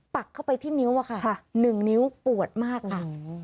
ปักเข้าไปที่นิ้วอ่ะค่ะหนึ่งนิ้วปวดมากอ่ะ